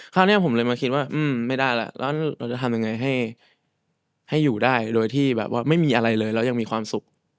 คราวนี้ผมเลยมาคิดว่าไม่ได้แล้วแล้วเราจะทำยังไงให้อยู่ได้โดยที่แบบว่าไม่มีอะไรเลยแล้วยังมีความสุข